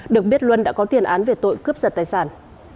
được biết luân đã có tiền án về tội cướp giật tài sản